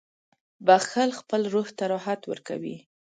• بخښل خپل روح ته راحت ورکوي.